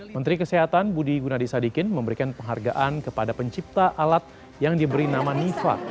menteri kesehatan budi gunadisadikin memberikan penghargaan kepada pencipta alat yang diberi nama nifa